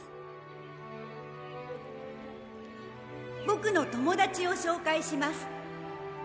「ボクの友達を紹介します」